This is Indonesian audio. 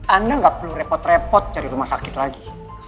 anda nggak perlu repot repot cari rumah sakit lagi